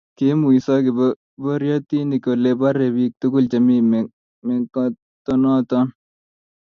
Kiimuiso kiboriotinik kole borei bik tugul chemi mengotonoto